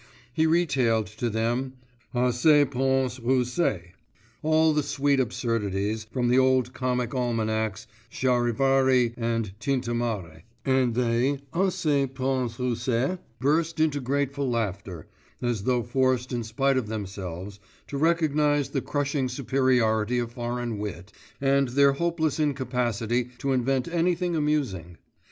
He retailed to them, à ces princes russes, all the sweet absurdities from the old comic almanacs Charivari and Tintamarre, and they, ces princes russes, burst into grateful laughter, as though forced in spite of themselves to recognise the crushing superiority of foreign wit, and their own hopeless incapacity to invent anything amusing.